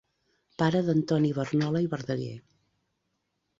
Pare d'Antoni Barnola i Verdaguer.